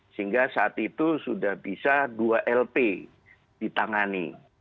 sehingga saat itu sudah bisa dua lp ditangani